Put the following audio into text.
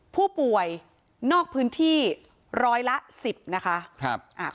ผู้ป่วยนอกพื้นที่ร้อยละ๑๐นะคะ